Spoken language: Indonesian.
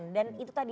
dan itu tadi